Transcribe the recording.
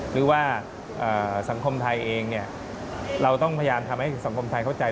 หรือว่าสังคมไทยเองเราต้องพยายามทำให้สังคมไทยเข้าใจ